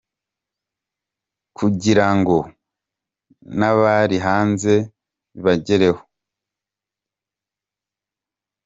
com kugira ngo n’abari hanze bibagereho.